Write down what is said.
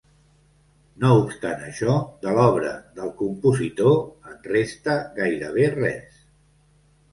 No obstant això, de l'obra del compositor en resta gairebé res.